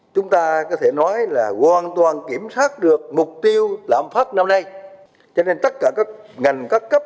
chúng ta có thể nói là hoàn toàn kiểm soát được mục tiêu lạm phát năm nay cho nên tất cả các ngành các cấp